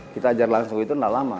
kita ajar langsung itu tidak lama